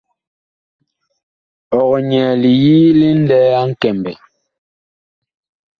Ɔg nyɛɛ liyi ŋlɛɛ a Nkɛmbɛ.